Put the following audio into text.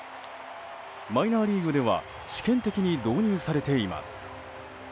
マイナーリーグでは試験的に導入されています。